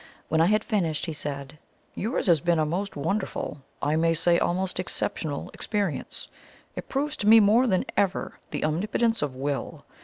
When I had finished, he said: "Yours has been a most wonderful, I may say almost exceptional, experience. It proves to me more than ever the omnipotence of WILL.